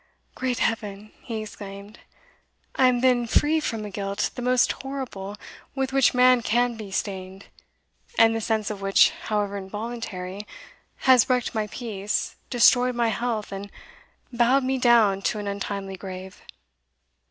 "Great Heaven!" he exclaimed, "I am then free from a guilt the most horrible with which man can be stained, and the sense of which, however involuntary, has wrecked my peace, destroyed my health, and bowed me down to an untimely grave.